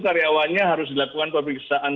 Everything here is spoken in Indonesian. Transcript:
karyawannya harus dilakukan pemeriksaan